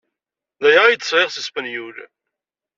D aya ay d-sɣiɣ seg Spenyul.